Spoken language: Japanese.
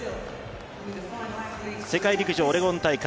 世界陸上オレゴン大会。